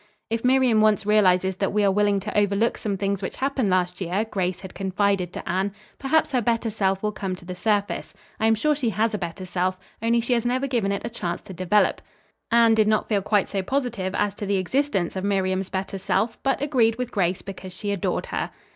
"If Miriam once realizes that we are willing to overlook some things which happened last year," Grace had confided to Anne, "perhaps her better self will come to the surface. I am sure she has a better self, only she has never given it a chance to develop." Anne did not feel quite so positive as to the existence of Miriam's better self, but agreed with Grace because she adored her.